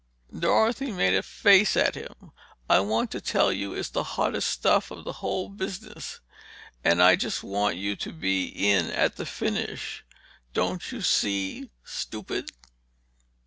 Dorothy made a face at him. "I want to tell you it's the hottest stuff of the whole business. And I just want you to be in at the finish, don't you see, stupid?"